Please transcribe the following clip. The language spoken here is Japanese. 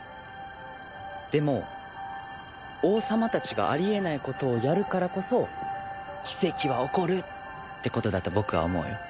でも王様たちがあり得ないことをやるからこそ奇跡は起こるってことだと僕は思うよ。